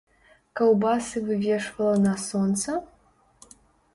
Каўбасы вывешвала на сонца?